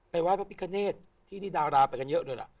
ไปวัดพระพิการเนธที่นี่ดาราไปกันเยอะด้วยล่ะ